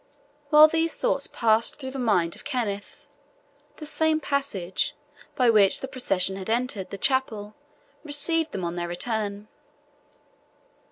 While these thoughts passed through the mind of Kenneth, the same passage, by which the procession had entered the chapel, received them on their return.